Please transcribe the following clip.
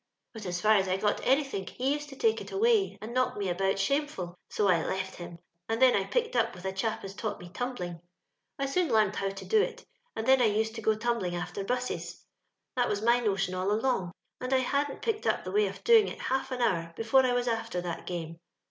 Bat aa laat ea I got enythink, he naed to take it away, and knock me about ahameftil; ao I left him, and then I pieked np vith a chap aa tanght me tumbling. I aoon larat how to do it, and then I ued to go tumbling alter boaaea. That waa my notion all along, and I hadnt picked np the my of doing it half an hoar befine I waa after that game.